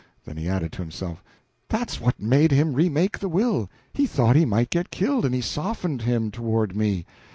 Then he added to himself: "That's what made him re make the will; he thought he might get killed, and it softened him toward me.